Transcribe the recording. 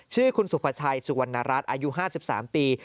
ชื่อคุณสุภาชัยสุวรรณรัฐอายุ๕๓ปี